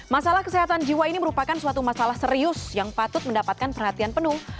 masalah kesehatan jiwa ini merupakan suatu masalah serius yang patut mendapatkan perhatian penuh